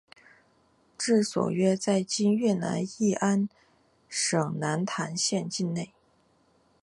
治所约在今越南乂安省南坛县境内。